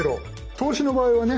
投資の場合はね